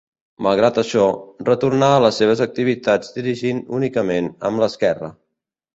Malgrat això, retornà a les seves activitats dirigint únicament amb l'esquerra.